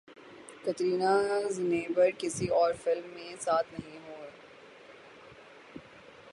کترینہ رنبیر کسی اور فلم میں ساتھ نہیں ہوں گے